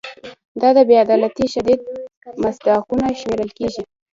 دا د بې عدالتۍ شدید مصداقونه شمېرل کیږي.